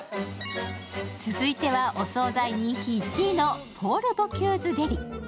続いてはお総菜人気１位のポール・ボキューズデリ。